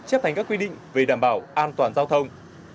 chấp hành các quy định về đảm bảo an toàn giao thông